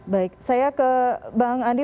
baik saya ke bang andi